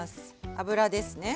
油ですね